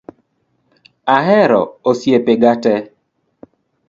Ahero osiepe ga te